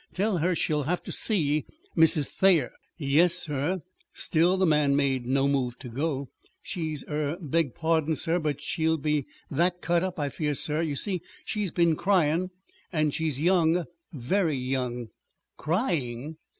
Tell her she'll have to see Mrs. Thayer." "Yes, sir." Still the man made no move to go. "She er beg pardon, sir but she'll be that cut up, I fear, sir. You see, she's been cryin'. And she's young very young." "Crying!"